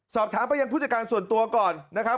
สอบถามไปยังผู้จัดการส่วนตัวก่อนนะครับ